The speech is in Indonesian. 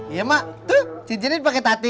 iya emak tuh cincinnya dipake tati